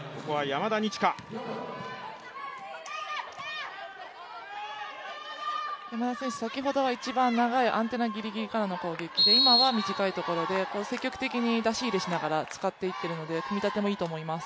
山田選手、先ほどは一番長いアンテナから、今は短いところで積極的に出し入れしながら使っていっているので組み立てもいいと思います。